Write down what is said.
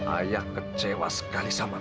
ayah kecewa sekali sama